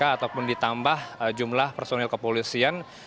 ataupun ditambah jumlah personil kepolisian